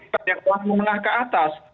banyak yang menengah ke atas